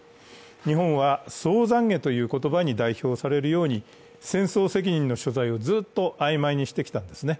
日本は総懺悔という言葉に代表されるように、戦争責任の所在をずっと曖昧にしてきたんですね。